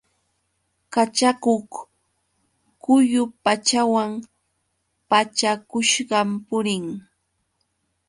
Kachakuq quyu pachawan pachakushqam purin.